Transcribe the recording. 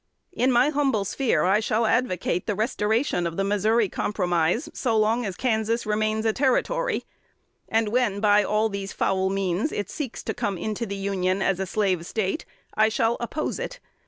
In my humble sphere, I shall advocate the restoration of the Missouri Compromise so long as Kansas remains a Territory; and when, by all these foul means, it seeks to come into the Union as a Slave State, I shall oppose it.